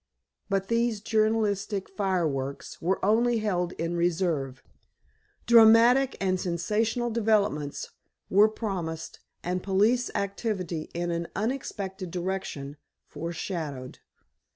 But these journalistic fire works were only held in reserve. "Dramatic and sensational developments" were promised, and police activity in "an unexpected direction" fore shadowed.